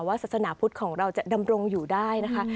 ศาสนาพุทธของเราจะดำรงอยู่ได้นะคะ